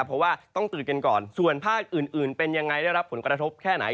เพราะว่าต้องตื่นกันก่อนส่วนภาคอื่นเป็นยังไงได้รับผลกระทบแค่ไหน